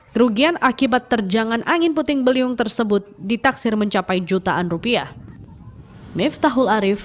kerugian akibat terjangan angin puting beliung tersebut ditaksir mencapai jutaan rupiah